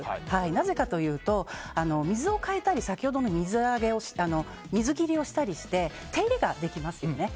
なぜかというと、水を替えたり先ほどの水切りをしたりして手入れができますよね。